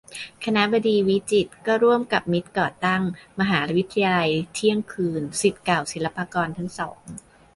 คณบดีวิจิตร ก็ร่วมกับมิตรก่อตั้ง "มหาวิทยาลัยเที่ยงคืน" ศิษย์เก่าศิลปากรทั้งสอง